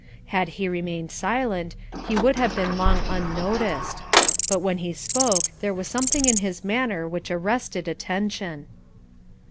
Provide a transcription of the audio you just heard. Had he remained silent, he would have been long unnoticed; but when he spoke there was something in his manner which arrested attention.